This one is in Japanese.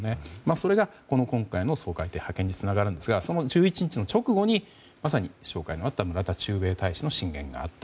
それが今回の掃海艇派遣につながるんですがその１１日の直後に、まさに紹介のあった村田駐米大使の進言があった。